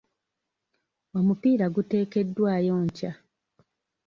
Omupiira guteekeddwayo nkya.